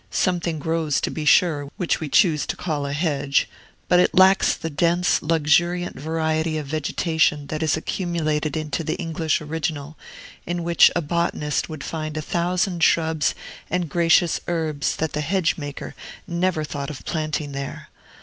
Something grows, to be sure, which we choose to call a hedge; but it lacks the dense, luxuriant variety of vegetation that is accumulated into the English original, in which a botanist would find a thousand shrubs and gracious herbs that the hedgemaker never thought of planting there.